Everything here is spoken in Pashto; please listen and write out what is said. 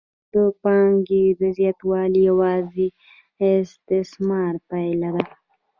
د پانګې زیاتوالی یوازې د استثمار پایله ده